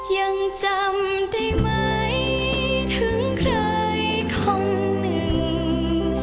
ยังจำได้ไหมถึงใครคนหนึ่ง